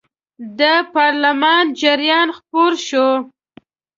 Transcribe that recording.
د پارلمان جریان خپور شو.